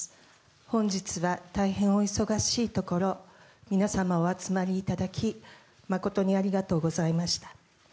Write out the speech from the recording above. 本日は大変お忙しいところ皆様、お集まりいただき誠にありがとうございました。